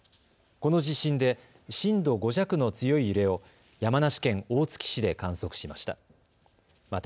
この地震で震度５弱の強い揺れを山梨県大月市で観測しました。